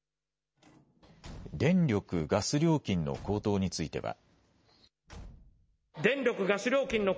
電力・ガス料金の高騰については。